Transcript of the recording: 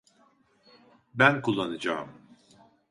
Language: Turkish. Ben kullanacağım.